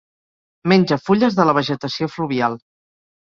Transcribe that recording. Menja fulles de la vegetació fluvial.